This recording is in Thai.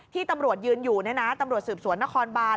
ที่ตำรวจยืนอยู่ตำรวจสืบสวนนครบาน